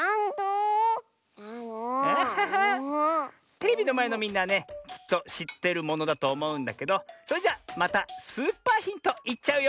テレビのまえのみんなはねきっとしっているものだとおもうんだけどそれじゃまたスーパーヒントいっちゃうよ！